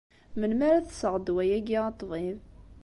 Melmi ara tesseɣ ddwa-agi, a ṭṭbib?